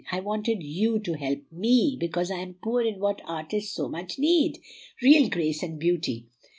I wanted YOU to help ME, because I am poor in what artists so much need, real grace and beauty.